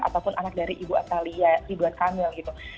ataupun anak dari ibu atalia ridwan kamil gitu